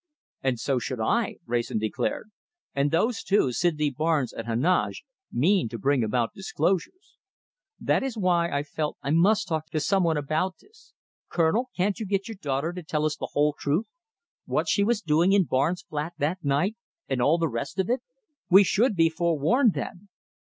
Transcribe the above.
"And so should I," Wrayson declared. "And those two, Sydney Barnes and Heneage, mean to bring about disclosures. That is why I felt that I must talk to some one about this. Colonel, can't you get your daughter to tell us the whole truth what she was doing in Barnes' flat that night, and all the rest of it? We should be forewarned then!"